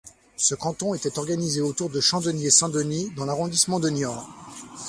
Ce canton était organisé autour de Champdeniers-Saint-Denis dans l'arrondissement de Niort.